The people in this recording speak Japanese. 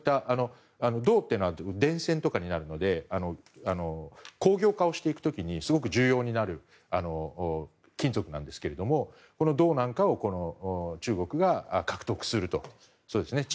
銅というのは電線になるので工業化をしていく時にすごく重要になる金属なんですけれども銅なんかを中国が獲得すると。